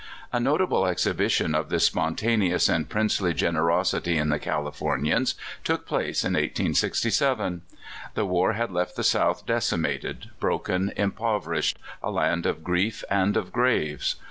A notable exhibition of this spontaneous and princely generosity in the Californians took place in 1867. The war had left the South decimated, broken, impoverished — a land of grief and of graves.